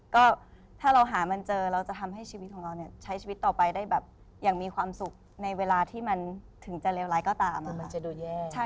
ก็ถ้าเราหามันเจอเราจะทำให้ชีวิตของเราเนี่ยใช้ชีวิตต่อไปได้แบบอย่างมีความสุขในเวลาที่มันถึงจะเลวร้ายก็ตามมันจะดูแย่